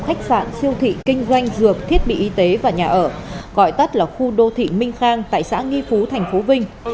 khách sạn siêu thị kinh doanh dược thiết bị y tế và nhà ở gọi tắt là khu đô thị minh khang tại xã nghi phú thành phố vinh